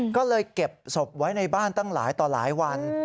ก็เลยเก็บศพไว้ในบ้านตั้งหลายต่อหลายวัน